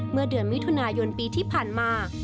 เมื่อเดือนมิถุนายนปีที่ผ่านมา